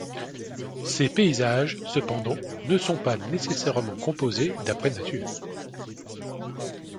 Ces paysages, cependant, ne sont pas nécessairement composés d'après nature.